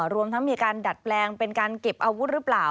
รวมทั้งมีการดัดแปลงเป็นการเก็บอาวุธหรือเปล่า